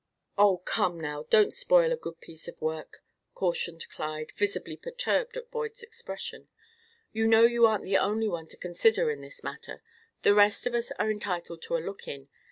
"Oh, come now, don't spoil a good piece of work," cautioned Clyde, visibly perturbed at Boyd's expression. "You know you aren't the only one to consider in this matter; the rest of us are entitled to a look in.